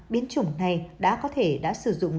biến chủng này đã có thể đã sử dụng